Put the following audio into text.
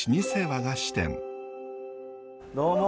どうも。